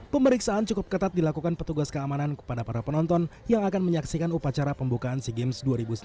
pemeriksaan cukup ketat dilakukan petugas keamanan kepada para penonton yang akan menyaksikan upacara pembukaan sea games dua ribu sembilan belas